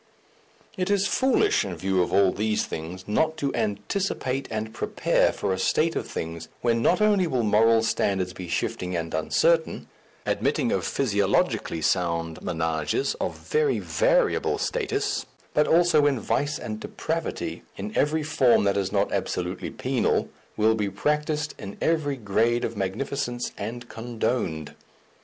It is foolish, in view of all these things, not to anticipate and prepare for a state of things when not only will moral standards be shifting and uncertain, admitting of physiologically sound ménages of very variable status, but also when vice and depravity, in every form that is not absolutely penal, will be practised in every grade of magnificence and condoned.